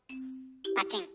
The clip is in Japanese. パチン。